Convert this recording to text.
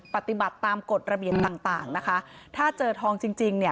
ปฏิบัติตามกฎระเบียบต่างต่างนะคะถ้าเจอทองจริงจริงเนี่ย